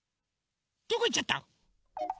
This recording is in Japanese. どこいっちゃった？